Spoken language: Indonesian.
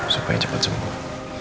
supaya cepat sembuh